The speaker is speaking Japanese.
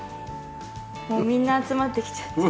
もうみんな集まってきちゃった。